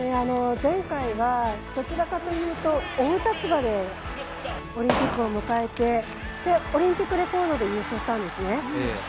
前回はどちらかというと追う立場でオリンピックを迎えてオリンピックレコードで優勝したんですね。